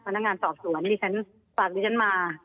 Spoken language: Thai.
พนักงานสอบส่วนฝากดิฉันมา